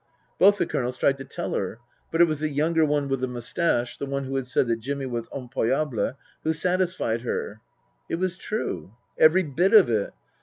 Both the Colonels tried to tell her ; but it was the younger one with the moustache (the one who had said that Jimmy was " impayable ") who satisfied her. It was true, every bit of it.